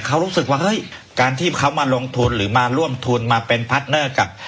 เขารู้สึกว่าเฮ้ยการที่เขามาลงทุนหรือมาร่วมทุนมาเป็นพาร์ทเนอร์กับ